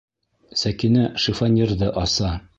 Сәкинә шифоньерҙы аса.